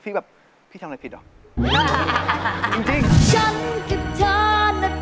พี่แบบพี่ทำอะไรผิดเหรอ